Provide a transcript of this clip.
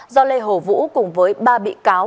do lê hồ vũ cùng với ba bị cáo